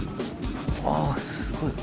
ああすごい。